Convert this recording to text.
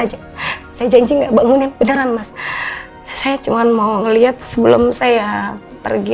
aja saya janji enggak bangunin beneran mas saya cuman mau ngeliat sebelum saya pergi